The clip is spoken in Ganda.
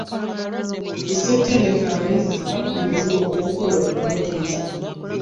Ku ssettendekero abayizi bakubirizibwa okukola okunonyereza.